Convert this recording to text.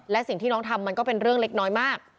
และสิ่งที่น้องทำมันก็เป็นเรื่องเล็กน้อยมาก